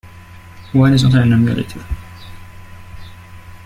Wine is not an emulator.